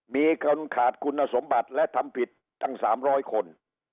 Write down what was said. มีคนขาดคุณสมบัติและทำผิดตั้ง๓๐๐คน